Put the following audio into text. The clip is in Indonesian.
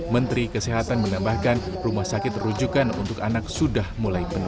menteri kesehatan menambahkan rumah sakit rujukan untuk anak sudah mulai penuh